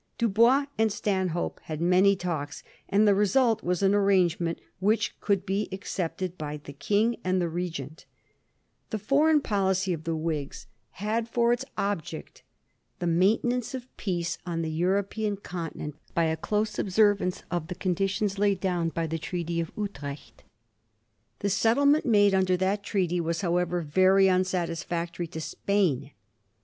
^ Dubois and Stanhope had many talks, and the result was an arrangement which could be accepted by the King and the Regent. The foreign policy of the Whigs had for its Digiti zed by Google 206 A HISTORY OP THE POUR GEORGES. ch. ix. object the maintenance of peace on the European continent by a close observance of the conditions laid down in the Treaty of Utrecht. The settlement made under that treaty was, however, very unsatis factory to Spain.